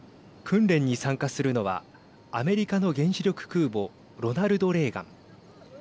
訓練に参加するのはアメリカの原子力空母ロナルド・レーガン。